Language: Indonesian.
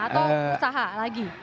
atau usaha lagi